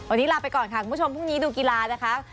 วันนี้ลาไปก่อนค่ะคุณผู้ชมพรุ่งนี้ดูกีฬานะคะ